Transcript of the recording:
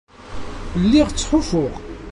Lliɣ ttfuḥuɣ.